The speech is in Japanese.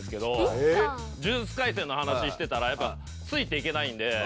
『呪術廻戦』の話してたらやっぱついていけないんで。